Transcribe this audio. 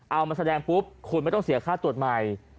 เอามาแสดงปุ๊บคุณไม่ต้องเสียค่าตรวจใหม่